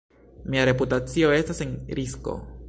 Mia reputacio estas en risko.